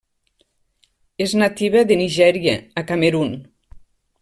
És nativa de Nigèria a Camerun.